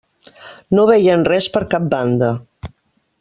No veien res per cap banda.